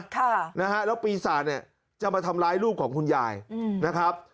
แล้วปีศาเนี่ยจะมาทำร้ายลูกของคุณยายนะครับ